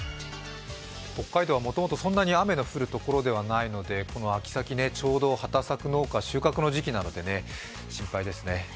北海道はもともとそんなに雨が降るところではないのでこの秋先、ちょうど畑作農家は収穫の時期なので心配ですね。